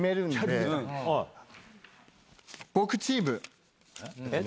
僕チーム。